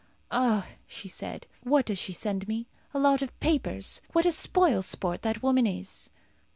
"Ah!" she said. "What does she send me? A lot of papers! What a spoil sport that woman is!"